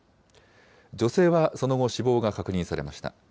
女性はその後、死亡が確認されました。